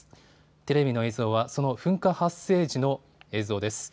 テレビの映像はその噴火発生時の映像です。